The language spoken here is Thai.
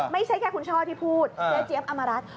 ไม่ใช่แค่คุณช่อที่พูดเจ๊เจี๊ยบอำมารัฐ